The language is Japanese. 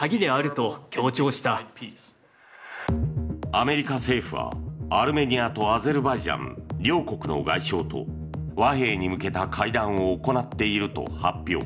アメリカ政府はアルメニアとアゼルバイジャン両国の外相と和平に向けた会談を行っていると発表。